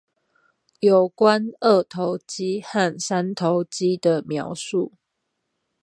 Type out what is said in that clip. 有關二頭肌和三頭肌的描述